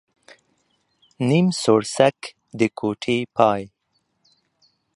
نيم سوړسک ، د کوټې پاى.